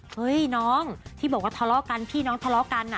เฮ้ยน้องที่บอกว่าทะเลาะกันพี่น้องทะเลาะกัน